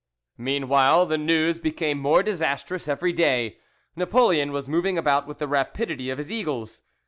Meanwhile the news became more disastrous every day: Napoleon was moving about with the rapidity of his eagles.